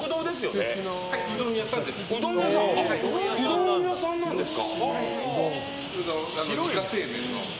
うどん屋さんなんですか。